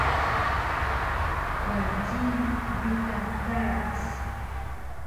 Mcilux bi ka karac